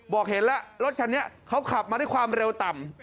บอกเห็นแล้วรถคันนี้เขาขับมาด้วยความเร็วต่ำ